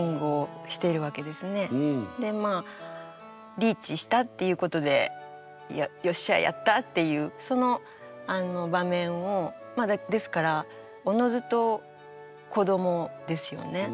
リーチしたっていうことで「よっしゃあやった！」っていうその場面をですからおのずと子どもですよね。